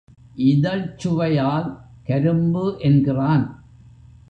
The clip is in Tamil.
இதழ்ச் சுவையால் கரும்பு என்கிறான்.